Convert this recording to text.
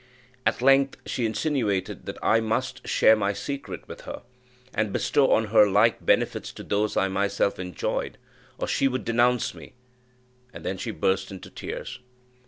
At length she insinuated that I must share my secret with her, and bestow on her like benefits to those I myself enjoyed, or she would denounce me and then she burst into tears.